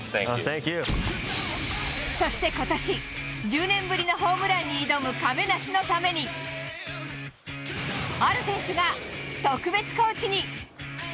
そしてことし、１０年ぶりのホームランに挑む亀梨のために、ある選手が特別コーチに。